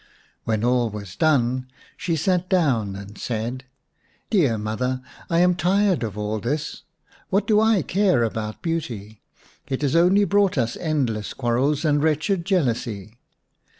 When all was done she sat down and said, " Dear mother, I am tired of all this. What do I care about beauty ? It has only brought us endless quarrels and wretched jealousy.